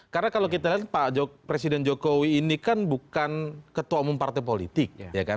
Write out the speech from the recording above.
karena kalau kita lihat pak presiden jokowi ini kan bukan ketua umum partai politik